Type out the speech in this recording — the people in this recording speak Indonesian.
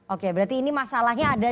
oke berarti ini masalahnya ada